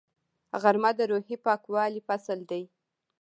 غرمه د روحي پاکوالي فصل دی